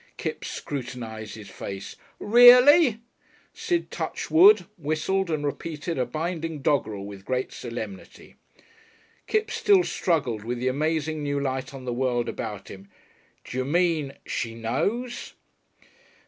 _" Kipps scrutinised his face. "Reely?" Sid touched wood, whistled, and repeated a binding doggerel with great solemnity. Kipps still struggled with the amazing new light on the world about him. "D'you mean she knows?"